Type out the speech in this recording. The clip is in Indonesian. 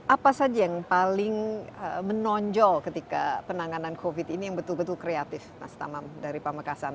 apa saja yang paling menonjol ketika penanganan covid ini yang betul betul kreatif mas tamam dari pamekasan